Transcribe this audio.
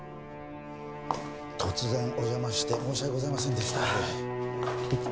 突然お邪魔して申し訳ございませんでした